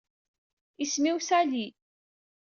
Isem-iw Sally